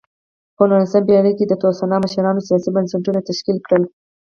په نولسمه پېړۍ کې د تسوانا مشرانو سیاسي بنسټونه تشکیل کړل.